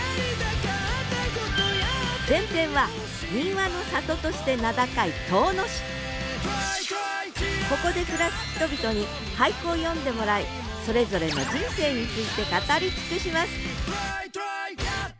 前編は民話の里として名高いここで暮らす人々に俳句を詠んでもらいそれぞれの人生について語り尽くします